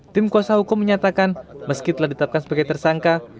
tim kuasa hukum menyatakan meski telah ditetapkan sebagai tersangka